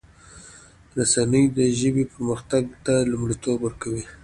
رسنی دي د ژبې پرمختګ ته لومړیتوب ورکړي.